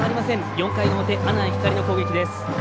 ４回の表、阿南光の攻撃です。